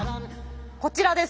こちらです。